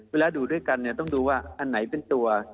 เวลาดูด้วยกันต้องดูว่าอันไหนเป็นตัว